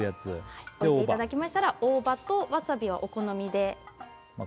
はい置いていただきましたら大葉とワサビはお好みでまあ